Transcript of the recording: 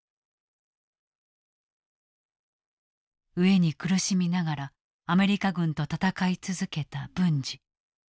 餓えに苦しみながらアメリカ軍と戦い続けた文次。